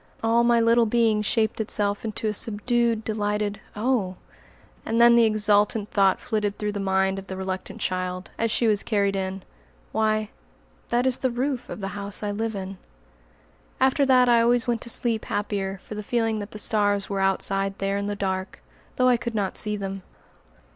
All my little being shaped itself into a subdued delighted "Oh!" And then the exultant thought flitted through the mind of the reluctant child, as she was carried in, "Why, that is the roof of the house I live in." After that I always went to sleep happier for the feeling that the stars were outside there in the dark, though I could not see them.